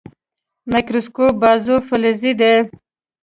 مایکروسکوپ بازو فلزي دی.